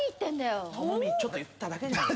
朋美ちょっと言っただけじゃん。